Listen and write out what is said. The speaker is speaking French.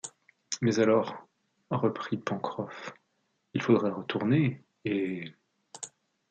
Mais alors, reprit Pencroff, il faudrait retourner, et. .